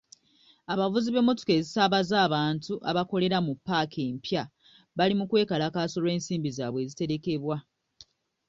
Abavuzi b'emmotoka ezisaabaza abantu abakolera mu paaka empya bali mu kwekalakaasa olw'ensimbi zaabwe eziterekebwa.